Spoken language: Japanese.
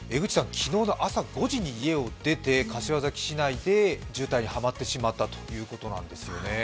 昨日の朝５時に家を出て柏崎市内で渋滞にはまってしまったということなんですよね。